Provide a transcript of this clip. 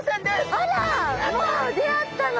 あらもう出会ったの！